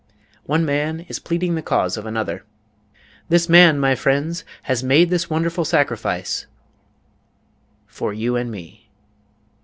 One man is pleading the cause of another: "This man, my friends, has made this wonderful sacrifice for you and me."